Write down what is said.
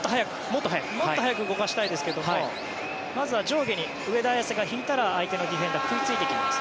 もっと速く動かしたいですけどもまずは上下に上田綺世が引いたら相手のディフェンダーは食いついてきます。